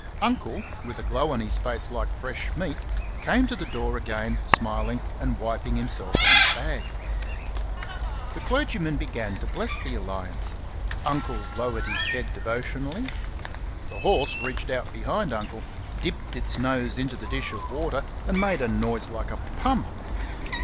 Uncle, with a glow on his face like fresh meat, came to the door again, smiling, and wiping himself on a bag. The clergyman began to bless the alliance. Uncle lowered his head devotionally. The horse reached out behind Uncle, dipped its nose into the dish of water, and made a noise like a pump.